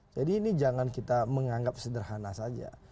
jadi ini jangan kita menganggap sederhana saja